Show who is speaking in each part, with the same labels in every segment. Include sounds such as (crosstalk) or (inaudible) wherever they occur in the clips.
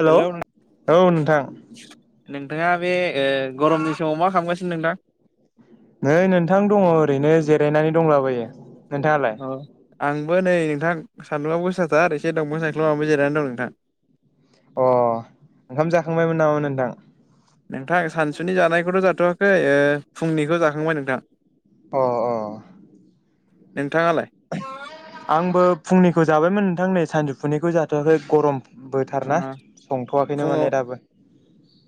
Speaker 1: Hello औ नोंथां
Speaker 2: नोंथाङा बे गरमनि समाव मा खालामगासिनो नोंथां
Speaker 1: नै नोंथां दङ ओरैनो जिरायनानै दंलाबोयो नोंथाङालाय
Speaker 2: औ आंबो नै नोंथां सान्दुङाबो गोसाथार एसे दंबो सायख्लुमाव आंबो जिरायनानै दं नोंथां
Speaker 1: अ ओंखाम जाखांबायमोन नामा नोंथां
Speaker 2: नोंथां सानसुनि जानायखौथ जाथवाखै फुंनिखौ जाखांबाय नोंथां
Speaker 1: अ अ
Speaker 2: नोंथाङालाय?
Speaker 1: आंबो फुंनिखौ जाबायमोन नोंथां नै सानजौफुनिखौ जाथआखै गरम बोथारना संथ'वाखैनो माने
Speaker 2: फुङाव
Speaker 1: दाबो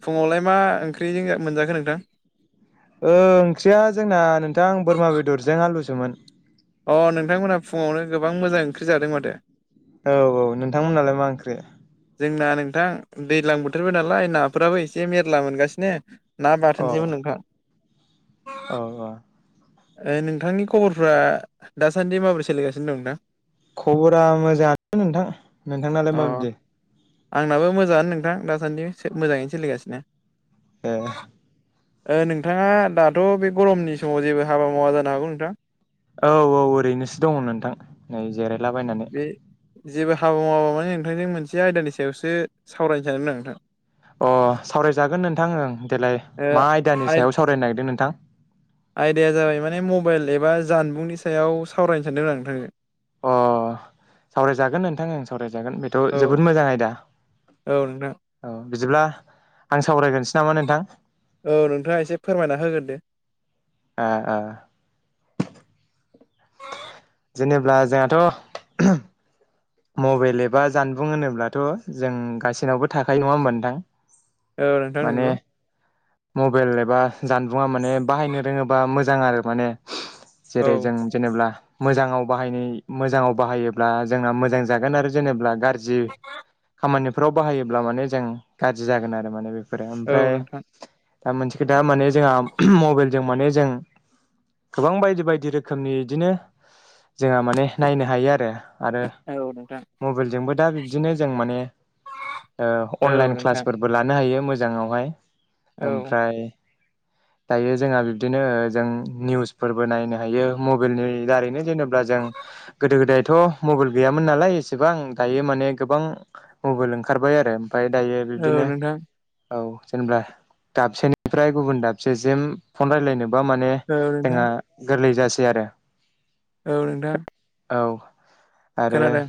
Speaker 2: फुङावलाय मा ओंख्रिजों ज मोनजाखो नोंथां
Speaker 1: ओंख्रिया जोंना नोंथां बोरमा बेदरजों आलुसोमोन
Speaker 2: अ नोंथांमोनहा फुङावनो गोबां मोजां ओंख्रि जादों माथो
Speaker 1: औ औ नोंथांमोनहालाय मा ओंख्रि
Speaker 2: जोंना नोंथां दैज्लां बोथोरबो नालाय नाफोराबो एसे मेरला मोनगासिनो ना
Speaker 1: अ
Speaker 2: बाथोनसोमोन नोंथां।
Speaker 1: औ औ।
Speaker 2: नोंथांनि खबरफ्रा दासान्दि माबोरै सोलिगासिनो दं नोंथां?
Speaker 1: खबरा मोजाङानो नोंथां नोंथांनालाय
Speaker 2: अ
Speaker 1: माबायदि?
Speaker 2: आंनाबो मोजाङानो नोंथां दासान्दि मोजाङैनो सोलिगासिनो।
Speaker 1: ए।
Speaker 2: नोंथाङा दाथ' बे गरमनि समाव जेबो हाबा मावा जानो हागौ नोंथां?
Speaker 1: औ औ ओरैनोसो दङ नोंथां नै जिरायलाबायनानै।
Speaker 2: बे जेबो हाबा मावाबा माने नोंथांजों मोनसे आयदानि सायावसो सावरायनो सानदों आं नोंथां।
Speaker 1: अ सावरायजागोन नोंथां ओं देेलाय
Speaker 2: ओ
Speaker 1: मा आयदानि
Speaker 2: आय
Speaker 1: सायाव सावरायनो नागिरदों नोंथां।
Speaker 2: आयदाया जाबाय माने मबाइल एबा जानबुंनि सायाव सावरायनो सानदोंमोन आं नोंथां।
Speaker 1: अ सावरायजागोन नोंथां ओं सावरायजागोन बेथ
Speaker 2: औ
Speaker 1: जोबोद मोजां आयदा।
Speaker 2: औ नोंथां।
Speaker 1: औ बिदिब्ला आं सावरायगोन।
Speaker 2: औ नोंथाङा एसे फोरमायना होगोरदो।
Speaker 1: ओ ओ। जेनेबा जोंहाथ' मबाइल एबा जानबुं होनोब्लाथ जों गाससिनावबो थाखायो नङा होमबा नोंथां।
Speaker 2: औ नोंथां
Speaker 1: माने
Speaker 2: नंगौ।
Speaker 1: मबाइल एबा जानबुंङा माने बाहायनो रोङोबा मोजां आरो माने।
Speaker 2: औ
Speaker 1: जेरै जों जेनेबा मोजाङाव बाहायनाय मोजाङाव बाहायोब्ला जोंना मोजां जागोन आरो जेबा गाज जि खामानिफोराव बाहायोब्ला माने जों गाज्रि जागोन आरो माने बे बेफोर
Speaker 2: औ
Speaker 1: ओमफ्राय
Speaker 2: नोंथां
Speaker 1: दा मोनसे खोथा माने जोंहा मबाइलजों माने जों गोबां बायदि बायदि रोखोमनि इदिनो जोंहा माने नायनो हायो आरो। आरो
Speaker 2: औ नोंथां
Speaker 1: मबाइलजोंबो दा बिब्दिनो जों माने। ओ
Speaker 2: औ
Speaker 1: अनलाइन
Speaker 2: नोंथां
Speaker 1: क्लासफोरबो लानो हायो मोजाङावहाय
Speaker 2: औ
Speaker 1: ओमफ्राय। दायो जोंहा बिब्दिनो जों निउसफोरबो नायनो हायो मबाइलनि दारैनो। जेनेबा जों गोदो गोदायथ' मबाइल गैयामोन नालाय एसेबां दायो माने गोबां। मबाइल ओंखारबाय आरो ओमफफ्राय दायो
Speaker 2: औ
Speaker 1: बिदिनो।
Speaker 2: नोंथां
Speaker 1: औ जेनेबा दाबसेनिफ्राय गुबुन दाबसेसिम फन रायज्लायनो। बा माने
Speaker 2: औ नोंथां
Speaker 1: जोंहा गोरलै जासै आरो।
Speaker 2: औ नोंथां।
Speaker 1: औ आरो
Speaker 2: खोनादों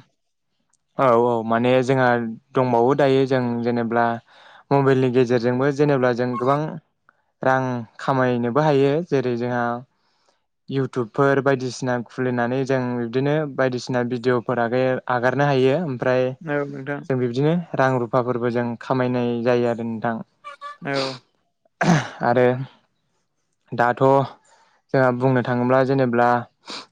Speaker 1: औ औ माने जोंहा दंबावो दायो जों जेनेब्ला मबाइलनि गेजेरजोंबो जेनेब्ला जों गोबां रां खामायनोबो हायो जेरै जोंहा इउटुबफोर बायदिसिना खुलिनानै जों बिब्दिनो बायदिसिना भिडिय'फोर आरो आगार नो हायो ओमफ्राय
Speaker 2: औ नोंथां
Speaker 1: जों बिबदिनो रां रुफाफोरबो जों खामायनाय जायो आरो थां
Speaker 2: औ
Speaker 1: आरो दाथ' जोंहा बुंनो थाङोब्ला जेनेब्ला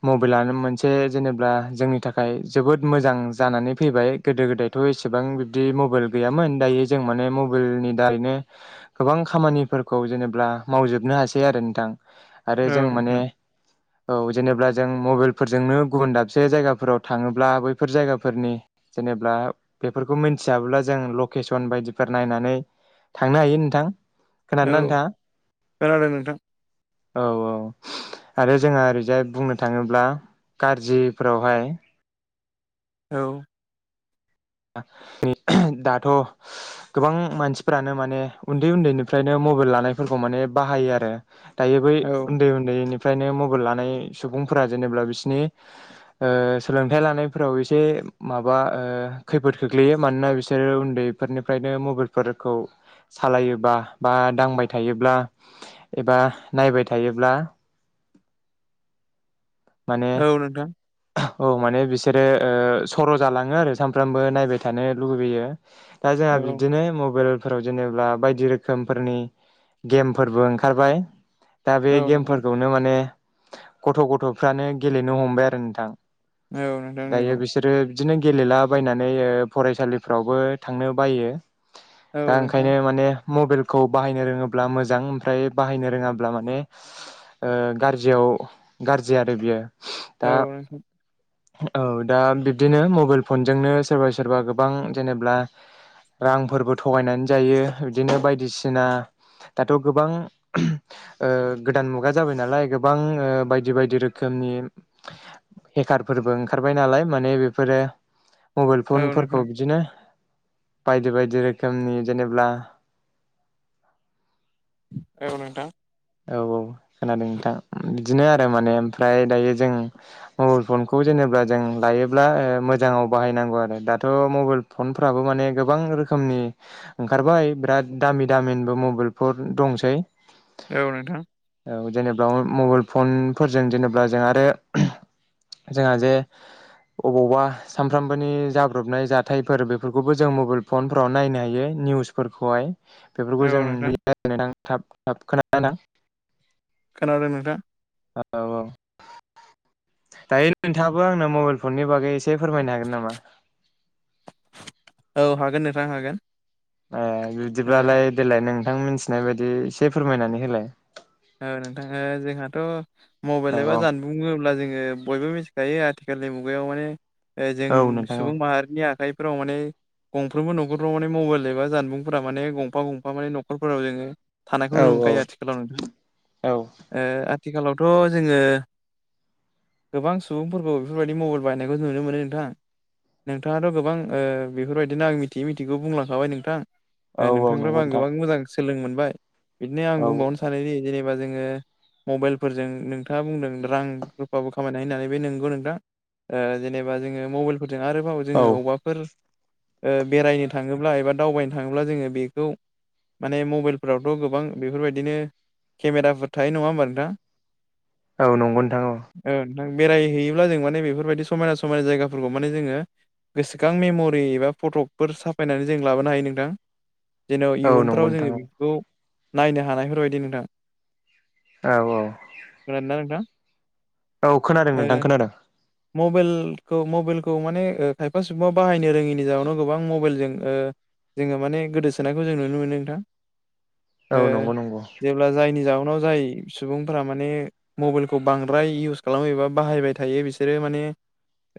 Speaker 1: मबाइलानो मोनसे जेनेब्ला जोंनि थाखाय जोबोद मोजां मोजां जानानै फैबाय गोदो गोदायथ' एसेबां बिबदि मबाइल गैयामोन दायो जों माने मबाइलनि दा। रैनो गोबां खामानिफोरखौ जेनेबा मावजोबनो हासै आरो नोंथां आरो जों
Speaker 2: औ
Speaker 1: माने
Speaker 2: नोंथां।
Speaker 1: औ जेनेबा जों मबाइलफोरजोंनो गुबुन दाबसे जायगाफोराव थाङोब्ला बैफोर जायगाफोरनि जेनेबा बेफोरखौ मिथियाब्ला जों लकेसन बायदिफोर नायनानै थांनो हायो नोंथां
Speaker 2: औ
Speaker 1: खोनादोंना नोंथाङा
Speaker 2: खोनादों नोंथां।
Speaker 1: औ औ आरो जोंहा ओरैजाय बुंनो थाङोब्ला गाज्रिफोरावहाय
Speaker 2: औ
Speaker 1: दाथ' गोबां मानसिफ्रानो माने उन्दै उन्दैनिफ्रायनो मबाइल लानायफोरखौ माने बाहायो आरो दायो बै
Speaker 2: औ
Speaker 1: उन्दै उन्दैनि फ्रायनो मबाइल लानाय सुबुंफोरा जेनेबा बिसनि सोलोंथाइ लानायफोराव एसे माबा ओ खैफोद खोख्लैयो मानोना बिसोरो उन्दैफोरनिफ्रायनो मबाइलफोरखौ सालायोबा बा दांबाय थायोब्ला एबा नायबाय थायोब्ला
Speaker 2: (unintelligible)
Speaker 1: माने
Speaker 2: औ नोंथां
Speaker 1: औ माने बिसोरो ओ सर' जालाङो आरो सानफ्रामबो नायबाय थानो लुुबैैयो। दा
Speaker 2: औ
Speaker 1: जोंहा बिबदिनो मबाइल फोराव जेनेबि बायदि रोखोमफोरनि गेमफोरबो ओंखारबाय। दा बे
Speaker 2: औ नोंथां
Speaker 1: गेमफोरखौनो माने गथ' गथ'फ्रानो गेलेनो हमबाय आरो नोंथां
Speaker 2: औ नोंथां
Speaker 1: दायो
Speaker 2: नंगौ
Speaker 1: बिसोरो बिदिनो गेलेलाबायनानै ओ फरायसालिफ्रावबो थांनो बायो।
Speaker 2: औ
Speaker 1: दा
Speaker 2: नोंथां
Speaker 1: ओंखायनो माने मबाइलखौ बाहायनो रोङोब्ला मोजां ओमफ्राय बाहायनो रोङाब्ला माने ओ गाज्रियाव औ गाज्रि आरो बियो
Speaker 2: औ
Speaker 1: दा
Speaker 2: नोंथां
Speaker 1: औ दा बिब्दिनो मबाइल फनजोंनो सोरबा सोरबा गोबां जेनेब्ला रांफोरबो थगायनानै जायो। बिदिनो बायदिसिना दाथ' गोबां गोदान मुगा जाबाय नालाय गोबां बायदि बायदि रोखोम नि हेकारफोरबो ओंखारबाय नालाय माने बेफोरो मबाइल
Speaker 2: औ
Speaker 1: फनफोरखौ
Speaker 2: नोंथां
Speaker 1: बिदिनो बायदि बायदि रोखोमनि जेनेब्ला
Speaker 2: औ नोंथां
Speaker 1: औ औ खोनादों नोंथां बिदिनो आरो माने ओमफ्राय दायो जों मबाइल फनखौ जेन होनोब्ला जों लायोब्ला मोजाङाव बाहायनांगौ आरो दाथ' मबाइल फनफ्राबो माने गोबां रोखोम नि ओंखारबाय बिराद दामि दामिनिबो मबेल पद दंसै।
Speaker 2: औ नोंथां
Speaker 1: औ जेनेबा अ मबाइल फनफोरजों जेनेबा जों आरो जोंहा जे अबावबा सानफ्रामबोनि जाब्रबनाय जाथायफोर बेफोरखौबो जों मबाइल फनफोराव नायनो हायो। निउसफोरखौहाय बेफोरखौ
Speaker 2: औ
Speaker 1: जों
Speaker 2: नोंथां
Speaker 1: मिलायायनो थाब थाब खोनानो नोथां।
Speaker 2: खानादों नोंथां।
Speaker 1: औ औ दायो नोंथाङाबो आंनो मबाइल फननि बागै एसे एसे फोरमायनो हागोन नामा?
Speaker 2: औ हागोन नोंथां हागोन।
Speaker 1: ओ
Speaker 2: ओ
Speaker 1: बिबदिब्लालाय देलाय नोंथां मिथिनाय बायदि एसे फोरमायनानै होलाय।
Speaker 2: औ नोंथां ओ मबेल
Speaker 1: औ
Speaker 2: एबा जानुङोब्ला जोङो बयबो मिथिखायो आथिखालनि मुगाहायाव ओ जों
Speaker 1: औ नोंथां औ
Speaker 2: सुबुं माहारिनि आखाइफोराव माने गंफ्रोमबो न'खरफ्राव माने मबाइल एबा जानबुंफोरा माने गंफा गंफा माने नखरफोराव जोङो थानायखौ
Speaker 1: औ
Speaker 2: नुनो मोनखायो आथिखालाव नोंथां
Speaker 1: औ
Speaker 2: ओ आथिखालावथ' जोङो गोबां सुबुंफोरखौ बेफोरबायदि मबाइल बायनायखौ नुनो मोनो नोंथां। नोंथाङाथ' गोबां ओ बेफोरबायदिनो आं मिथियै मिथिगौ बुंलांखाबाय नोंथां। दा
Speaker 1: औ औ
Speaker 2: नोंथांफ्राबो
Speaker 1: नंगौ
Speaker 2: आं
Speaker 1: नोंथां
Speaker 2: गोबां मोजां सोलों मोनबाय बिदिनो आं
Speaker 1: औ
Speaker 2: बुंबावनो सानोदि जेनेबा जोङो मबाइलफोरजों नोंथाङा बुंदों रां रुफाबो खामायनो हायो होननानै बे नंगौ नोंथां। ओ जेनेबा जोङो मबाइलफोरजों आरोबाव
Speaker 1: औ
Speaker 2: जोङो अबाफोर ओ बेरायनो थाङोब्ला एबा दावबायनो थाङोब्ला जोङो बेखौ माने मबाइलफोरावथ' गोबां बेफोरबायदिनो केमेराफोर थायो नङा होमबा नोंथां?
Speaker 1: औ नंगौ नोंथां औ।
Speaker 2: ओ बेरायहैयोब्ला जों माने बेफोरबायदि समायना समायना जायगाफोरखौ माने जोङो। गोसोखां मेम'रि एबा फट'फोर साफायनानै जों लाबोनो हायो नोंथां। जेन'बा
Speaker 1: औ
Speaker 2: इयुनफ्राव
Speaker 1: नंगौ नोंथां
Speaker 2: जोङो बेखौ नायनो हानायफोरबायदि नोंथां।
Speaker 1: औ औ औ
Speaker 2: खोनादोंना नोंथां।
Speaker 1: औ खोनादों नोंथां खोनादों।
Speaker 2: मबेलखो मबेलखौ माने खायफा सुबुंङा बाहायनो रोङिनि जाहोनाव गोबां मबाइलजों ओ। जोङो माने गोदोसोनायखौ जों नुनो मोनो नोंथां। ओ
Speaker 1: औ नंगौ नंगौ।
Speaker 2: जेब्ला जायनि जाहोनाव जाय सुबुंफोरा माने मबाइलखौ बांद्राय इउस खालामोबा बाहायबाय थायो। बिसोरो माने।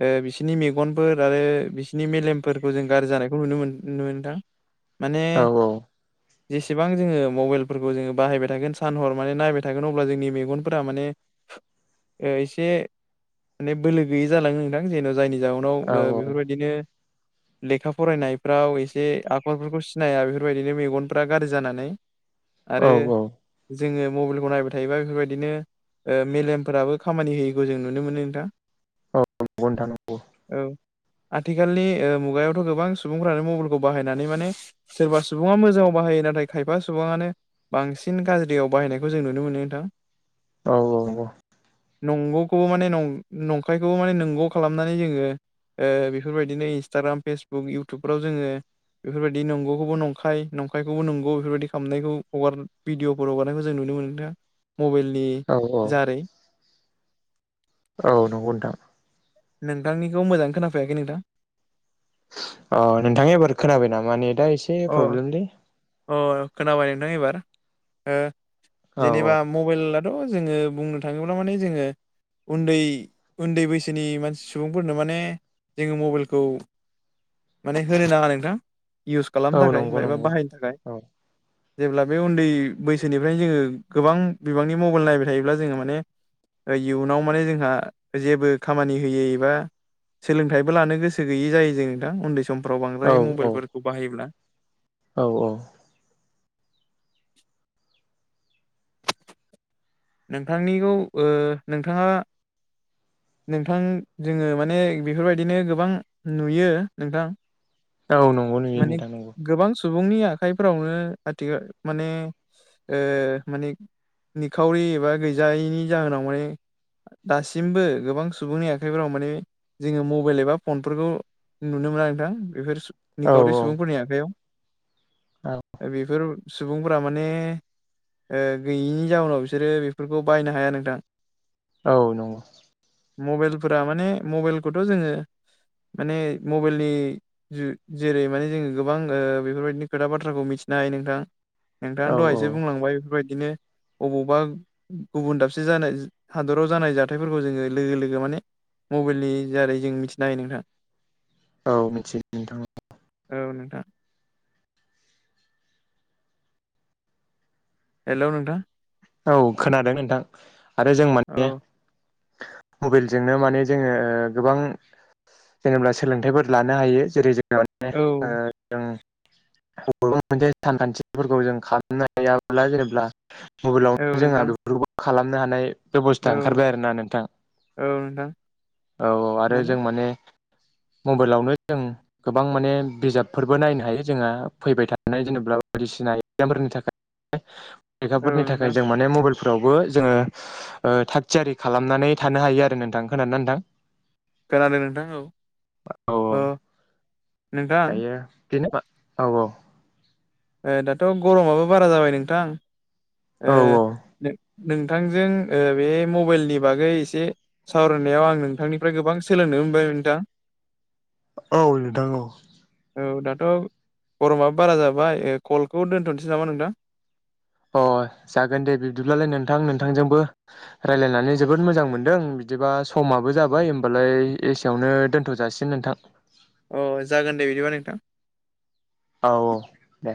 Speaker 2: ओ बिसिनि मेगनफोर आरो बिसिनि मेलेमफोरखौ जों गारजि जानायखौ नुनो मोन नुनो नोथां। माने
Speaker 1: औ
Speaker 2: जेसेबां जोङो मबाइलफोरखौ जोङो बाहायबाय था थोगोन सान हर माने नायबाय थागोन अब्ला जोंनि मेगनफोरा माने ओ इसे। माने बोलो गैयै जालाङो नोंथां जेन' जायनि जाउनाव
Speaker 1: औ
Speaker 2: बेफोरबायदिनो। लेखा फरायनायफ्राव एसे आखरफोरखौ सिनाया बेफोरबायदिनो मेगनफ्रा गाज्रि जानानै। आरो
Speaker 1: औ औ।
Speaker 2: जोङो मबाइलखौ नायबाय थायोबा बेफोरबायदिनो। ओ मेलेमफोराबो खामानि होयैखौ जों नुनो मोनो नोंथां।
Speaker 1: औ (unintelligible) थानांगौ।
Speaker 2: (inaudible) आथिखालनि ओ मुगायावथ' गोबां सुबुंफ्रानो मबाइलखौ बाहायनानै माने सोरबा सुबुङा मोजाङाव बाहायो नाथ नाथाय खायफा सुबुंआनो बांसिन गाज्रियाव बाहायनायखौ जों नुनो मोनो नोंथां।
Speaker 1: औ औ नंगौ।
Speaker 2: नंगौखौबो माने नं-नंखायखौबो माने नंगौ खालामनानै जोङो। ओ बेफोरबायदिनो इन्सटाग्राम फेसबुक इउटुबफ्राव जोङो। बेफोरबायदि नंगौखौबो नंखाय नंखायखौबो नंगौ बेफोरबायदि खामनायखौबो। हगार भिडिअ'फोर हगारनायखौ जों नुनो मोनदों मबाइलनि
Speaker 1: औ
Speaker 2: जारै।
Speaker 1: औ नंगौ नोंथां।
Speaker 2: नोंथांनिखौ मोजाङै खोनाफैयाखै नोंथां?
Speaker 1: अ नोंथां एबार खोनाबाय नामा नेदा एसे
Speaker 2: अ
Speaker 1: प्रब्लेमलै
Speaker 2: अ खोनाबाय नोंथां एबार ओ
Speaker 1: औ
Speaker 2: जेनेबा
Speaker 1: औ
Speaker 2: मबाइल। थ' जोङो बुंनो थाङोब्ला माने जोङो उन्दै उन्दै बैसो सिनि मानसि सुबुंफोरनो माने जोङो मबाइलखौ माने होनो नाङा नोंथां। इउस खालामनो
Speaker 1: औ
Speaker 2: थाखाय
Speaker 1: नंगौ
Speaker 2: माइबा
Speaker 1: नंगौ
Speaker 2: बाहायनो थाखाय।
Speaker 1: औ
Speaker 2: जेब्ला बे उन्दै बैसोनिफ्रायनो जोङो गोबां बिबांनि मबाइल नायबाय थायोब्ला जोङो माने। इयुनाव माने जोंहा जेबो। खामानि होयै एबा सोलोंथाइबो लानो गोसो गैयै जायो जों नोंथां उन्दै सम। फोराव
Speaker 1: औ
Speaker 2: बांद्राय
Speaker 1: औ
Speaker 2: मबाइलफोरखौ बाहायोब्ला।
Speaker 1: औ औ।
Speaker 2: नोंथांनिखौ ओ नोंथाङा? नोंथां जोङो माने बेफोरबायदिनो गोबां नुयो नोंथां।
Speaker 1: औ नंगौ नुयो
Speaker 2: माने
Speaker 1: नोंथां नंगौ।
Speaker 2: गोबां सुबुंनि आखाइफोरावनो आथिखाल माने ओ माने निखावरि एबा गैजायैनि जाहोनाव माने। दासिमबो गोबां सुबुंनि आखाइफोराव माने जोङो मबाइल एबा फनफोरखौ नुनो मोना नोंथां बेफोर
Speaker 1: औ
Speaker 2: निखावरि सुबुंफोरनि आखाइयाव।
Speaker 1: औ
Speaker 2: बेफोर सुबुंफोरा माने। ओ गैयिनि जाउनाव बिसोरो बेफोरखौ बायनो हाया नोंथां।
Speaker 1: औ नंगौ।
Speaker 2: मबाइलफोरा माने मबाइलखौथ' जोङो माने मबाइलनि जु जेरै माने जोङो गोबां ओ बेफोरबायदिनि खोथा बाथ्राखौ मिथिनो हायो नोंथां। नोंथाङा
Speaker 1: औ औ
Speaker 2: दहायसो बुंलांबाय बेफोरबायदिनो अबावबा गुबुन दाबसे जानाय हादराव जानाय जाथायफोरखौ जोङो लोगो लोगो माने मबाइलनि दारै जों मिथिनो हायो नोंथां।
Speaker 1: औ मिथियो नोंथां।
Speaker 2: औ नोंथां। हेलौ नोंथां।
Speaker 1: औ खोनादों नोंथां आरो जों माने
Speaker 2: औ
Speaker 1: मबाइलजोंनो माने जोङो गोबां जेनेब्ला सोलोंथाइफोर लानो हायो जेरै जों ओ
Speaker 2: औ
Speaker 1: जों बबेबा मोनसे सानखान्थिफोरखौ जों खालामनो हायाब्ला जेनेब्ला मबाइलावनो
Speaker 2: औ
Speaker 1: जोंहा
Speaker 2: नोंथां
Speaker 1: बेफोरखौबो खालामनो हानाय
Speaker 2: औ
Speaker 1: बेब'स्था ओंखारबाय आरोना नोंथां
Speaker 2: औ नोंथां
Speaker 1: औ औ आरो जों माने
Speaker 2: (inaudible)
Speaker 1: मबाइलावनो जों गोबां माने बिजाबफोरबो नायनो हायो जोंहा फैबाय थानाय जेनेबा बायदिसि सिना एकजाम फोरनि थाखाय
Speaker 2: औ
Speaker 1: फरिखाफोरनि
Speaker 2: नोंथां
Speaker 1: थाखाय जों माने मबाइल फोरावबो जोङो ओ थाग-थियारि खालामनानै थानो हायो आरो नोंथां खोनानो नोंथां?
Speaker 2: खोनादों नोंथां औ औ।
Speaker 1: दायो बिदिनो औ औ।
Speaker 2: दाथ' गरमाबो बारा जाबाय नों
Speaker 1: औ
Speaker 2: नोंथांजों ओ बे मबाइलनि बागै एसे सावरायनायाव आं नोंथांनिफ्राय गोबां सोलोंनो मोनबाय नोंथां।
Speaker 1: औ नोंथां औ।
Speaker 2: औ दाथ' गरमाबो बारा जाबाय ओ कलखौ दोन्थ'नोसै नामा नोंथां?
Speaker 1: अ जागोन दे बिब्दिब्लालाय नोंथां नोंथांजोंबो रायलायनानै जोबोद मोजां मोनदों बिदिबा समाबो जाबाय होमबालाय एसेयावनो दोनथ' जासिगोन नोंथां।
Speaker 2: अ जागोन दे बिदिबा नोंथां।
Speaker 1: औ औ दे।